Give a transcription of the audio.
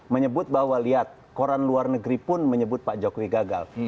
menyebut bahwa lihat koran luar negeri pun menyebut pak jokowi gagal